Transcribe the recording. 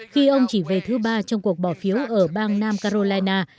khi ông chỉ về thứ ba trong cuộc bỏ phiếu ở bang nam carolina